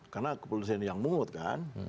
karena kepolisian yang muut kan